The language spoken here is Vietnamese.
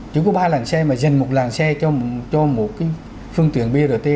chỉ có ba làn xe mà dành một làng xe cho một cái phương tiện brt